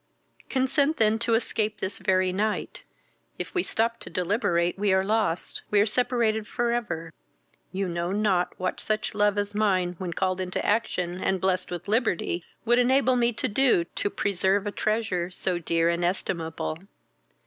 "Consent then to escape this very night. If we stop to deliberate we are lost, we are separated for ever! You know not what such love as mine, when called into action, and blest with liberty, would enable me to do, to preserve a treasure so dear and estimable.